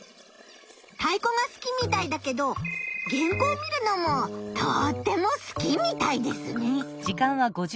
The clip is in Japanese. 太鼓が好きみたいだけど原稿見るのもとっても好きみたいですね。